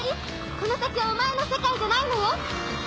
この先はお前の世界じゃないのよ！